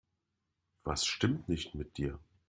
Was stimmt nicht mit dir?